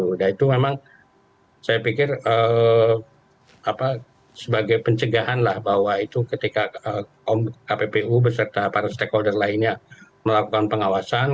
udah itu memang saya pikir sebagai pencegahan lah bahwa itu ketika kppu beserta para stakeholder lainnya melakukan pengawasan